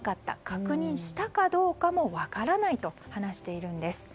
確認したかどうかも分からないと話しているんです。